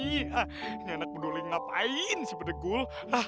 ini anak muduleng ngapain sih bedegul